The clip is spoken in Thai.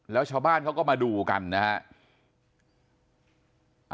แล้วชาวบ้านเขาก็มาดูกันนะฮะ